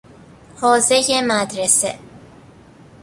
حوزهی مدرسه